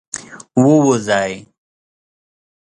ووځی.